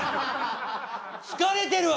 疲れてるわ！